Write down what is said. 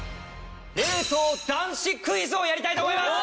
冷凍男子クイズをやりたいと思います！